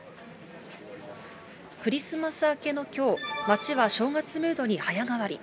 クリスマス明けのきょう、街は正月ムードに早変わり。